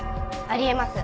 あり得ます。